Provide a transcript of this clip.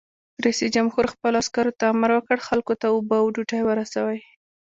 رئیس جمهور خپلو عسکرو ته امر وکړ؛ خلکو ته اوبه او ډوډۍ ورسوئ!